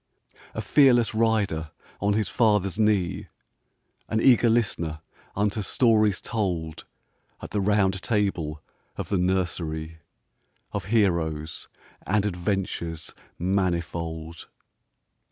A fearless rider on his father's knee, An eager listener unto stories told At the Round Table of the nursery, Of heroes and adventures manifold.